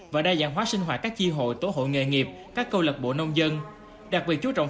và đa dạng hóa sinh hoạt các chi hội tổ hội nghề nghiệp các câu lạc bộ nông dân đạt vị chú trọng